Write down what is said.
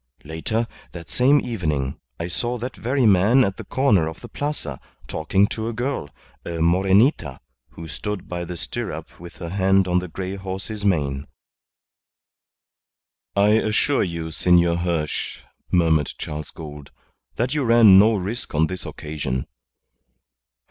Later, that same evening, I saw that very man at the corner of the Plaza talking to a girl, a Morenita, who stood by the stirrup with her hand on the grey horse's mane." "I assure you, Senor Hirsch," murmured Charles Gould, "that you ran no risk on this occasion."